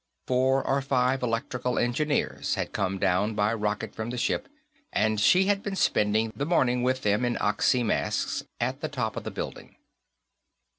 Four or five electrical engineers had come down by rocket from the ship, and she had been spending the morning with them, in oxy masks, at the top of the building.